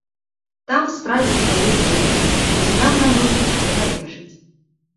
Там справіў сваё дзела, узняў на ногі каго належыць.